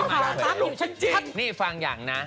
ินนี่ฟังอย่างนะ